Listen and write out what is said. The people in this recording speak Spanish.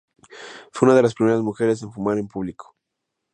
Fue una de las primeras mujeres en fumar en público.